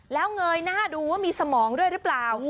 แล้วเงยหน้าดูว่ามีสมองด้วยหรือเปล่า